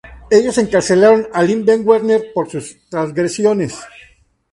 Ellos encarcelaron al In-Betweener por sus transgresiones.